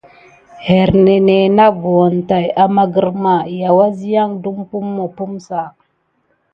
Ernénè na buna täki amà grirmà sem.yà saki depumosok kà.